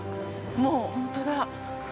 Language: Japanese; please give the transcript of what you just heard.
もう本当だ。